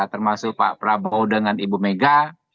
termasuk pak prabowo dengan ibu mega